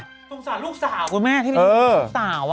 สงสารลูกสาวคุณแม่ที่เป็นลูกสาว